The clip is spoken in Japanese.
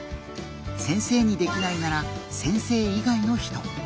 先生にできないなら先生以外の人。